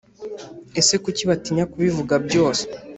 Ese kuki batinya kubivuga byose